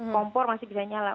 kompor masih bisa nyala